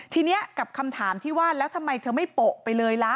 ทีนี้กับคำถามที่ว่าแล้วทำไมเธอไม่โปะไปเลยล่ะ